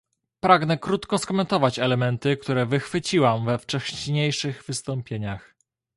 Pragnę krótko skomentować elementy, które wychwyciłam we wcześniejszych wystąpieniach